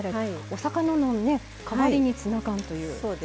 お魚の代わりにツナ缶という。